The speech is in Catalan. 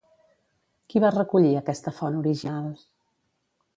Qui va recollir aquesta font original?